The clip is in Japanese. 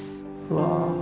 うわ！